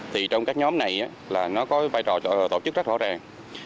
thì trong các nhóm này là nó có vai trò tổ chức rất rõ ràng